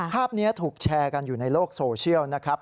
ภาพนี้ถูกแชร์กันอยู่ในโลกโซเชียลนะครับ